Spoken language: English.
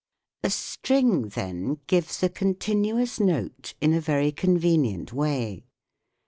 A string, then, gives a continuous note in a very convenient way.